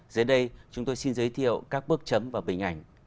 dưới đây chúng tôi xin giới thiệu các bước chấm và bình ảnh